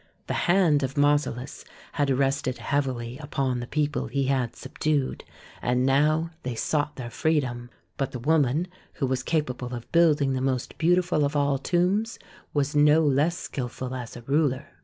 The hand of Mausolus had rested heavily upon the people he had subdued, and now they sought their freedom, but the woman who was capable of building the most beautiful of all tombs, was no less skilful as a ruler.